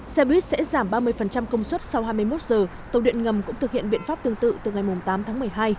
xe buýt sẽ giảm ba mươi công suất sau hai mươi một giờ tàu điện ngầm cũng thực hiện biện pháp tương tự từ ngày tám tháng một mươi hai